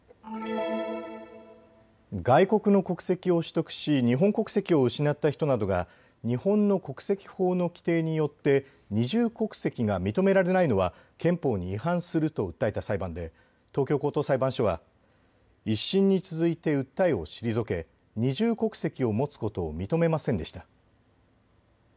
外国の国籍を取得し日本国籍を失った人などが日本の国籍法の規定によって二重国籍が認められないのは憲法に違反すると訴えた裁判で東京高等裁判所は１審に続いて訴えを退け二重国籍を持つことを認めませんでした。